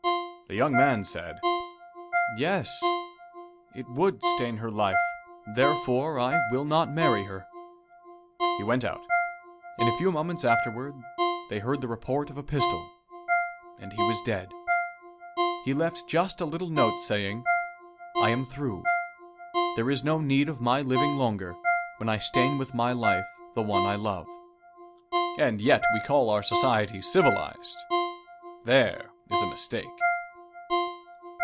The young man said, "Yes, it would stain her life, therefore I will not marry her." He went out. In a few moments afterward they heard the report of a pistol, and he was dead. He left just a little note saying: "I am through. There is no need of my living longer, when I stain with my life the one I love." And yet we call our society civilized. There is a mistake.